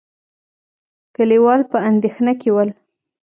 کليوال په اندېښنه کې ول.